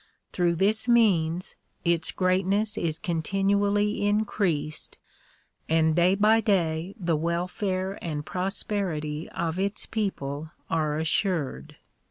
Through this means, its greatness is continually increased and day by day the welfare and prosperity of its people are assured.